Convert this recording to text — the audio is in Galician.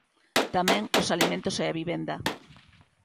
Tamén os alimentos e a vivenda.